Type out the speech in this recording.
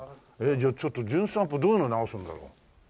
じゃあちょっと『じゅん散歩』どういうの流すんだろう？